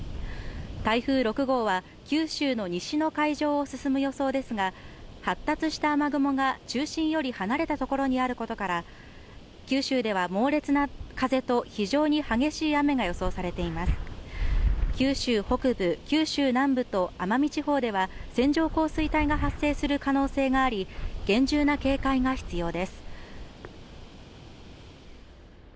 台風６号は九州の西の海上を進む予想ですが発達した雨雲が中心より離れた所にあることから九州では猛烈な風と非常に激しい雨が予想されています九州北部、九州南部と奄美地方では線状降水帯が発生する可能性があり厳重な警戒が必要です